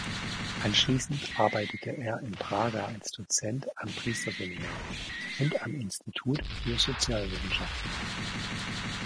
Anschließend arbeitete er in Braga als Dozent am Priesterseminar und am Institut für Sozialwissenschaften.